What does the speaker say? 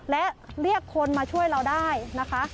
และเรียกคนมาช่วยเราได้นะคะ